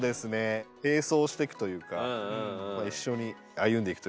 並走していくというか一緒に歩んでいくというか。